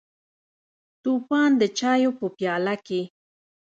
توپان د چایو په پیاله کې: